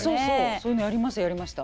そういうのやりましたやりました。